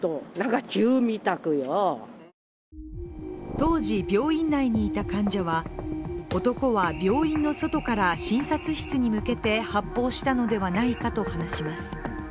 当時、病院内にいた患者は男は病院の外から診察室に向けて発砲したのではないかと話します。